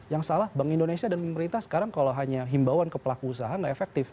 yang salah bank indonesia dan pemerintah sekarang kalau hanya himbauan ke pelaku usaha nggak efektif